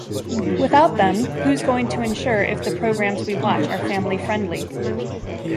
Without them, who's going to ensure if the programs we watch are family-friendly?